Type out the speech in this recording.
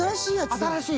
新しい。